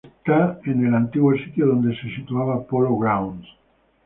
Está en el antiguo sitio donde se situaba Polo Grounds.